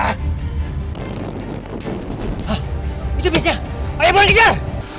hah itu bisnya ayo buruan kejar